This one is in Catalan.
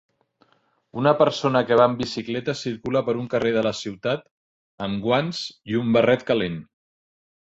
Una persona que va en bicicleta circula per un carrer de la ciutat amb guants i un barret calent.